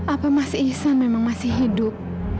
apa mas ihsan memang masih hidup